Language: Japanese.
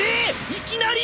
いきなり！？